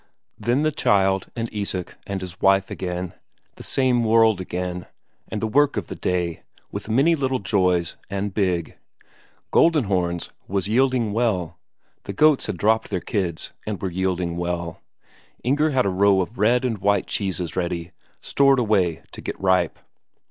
Then the child and Isak and his wife again; the same world again, and the work of the day, with many little joys and big. Goldenhorns was yielding well, the goats had dropped their kids and were yielding well; Inger had a row of red and white cheeses already, stored away to get ripe.